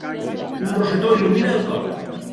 Un rosetó il·lumina el cor.